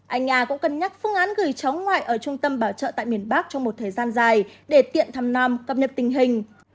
anh a cũng cân nhắc phương án gửi cháu ngoại ở trung tâm bảo trợ tại miền bắc trong một thời gian dài để tiện thăm nam cập nhập tình hình